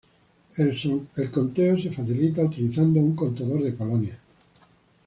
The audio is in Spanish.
El conteo se facilita utilizando un contador de colonias.